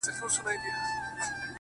زړه ته د ښايست لمبه پوره راغلې نه ده’